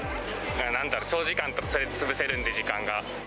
なんだろう、長時間とかそれ潰せるんで、時間が。